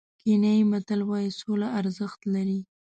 کینیايي متل وایي سوله ارزښت لري.